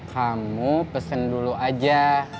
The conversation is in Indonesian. kamu pesen dulu aja